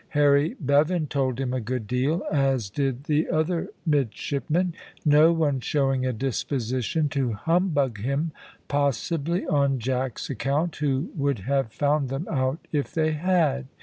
Harry Bevan told him a good deal, as did the other midshipmen, no one showing a disposition to humbug him, possibly on Jack's account, who would have found them out if they had.